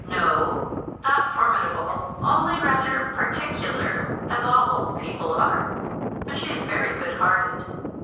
"No, not formidable only rather particular, as all old people are; but she is very good hearted."